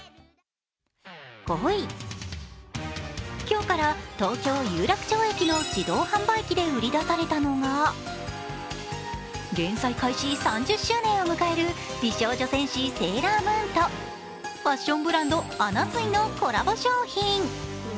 ５位、今日から東京・有楽町駅の自動販売機で売り出されたのが連載開始３０周年を迎える「美少女戦士セーラームーン」とファッションブランド・ＡＮＮＡＳＵＩのコラボ商品。